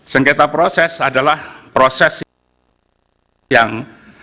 sengketa proses adalah proses yang